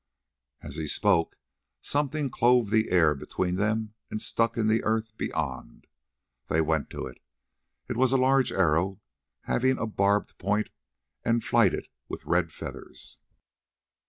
As he spoke something clove the air between them and stuck in the earth beyond. They went to it. It was a large arrow having a barbed point and flighted with red feathers.